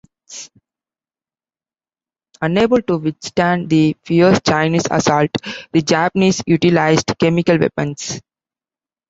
Unable to withstand the fierce Chinese assault, the Japanese utilized chemical weapons.